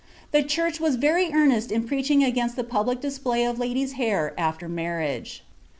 The church was very earnest in preaching against the public display of ladies' hair after marriage.